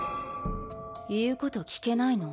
言うこと聞けないの？